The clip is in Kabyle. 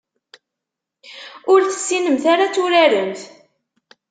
Ur tessinemt ara ad turaremt.